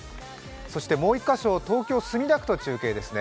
そしてもう１か所、東京・墨田区と中継ですね。